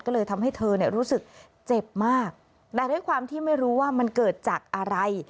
ก็เลยทำให้เธอเนี่ยรู้สึกเจ็บมากแต่ด้วยความที่ไม่รู้ว่ามันเกิดจากอะไร